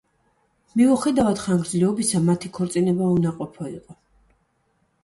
მიუხედავად ხანგრძლივობისა, მათი ქორწინება უნაყოფო იყო.